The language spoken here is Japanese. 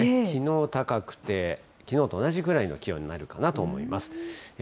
きのう高くて、きのうと同じくらいの気温になるかなと思います。